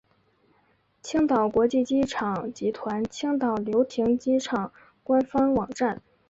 青岛国际机场集团青岛流亭机场官方网站